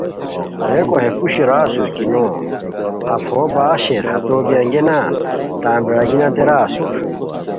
ریکو ہے پوشی را اسور کی نو، اف ہو باغ شیر ہتو بی انگیے نا تان برارگینیانتے را اسور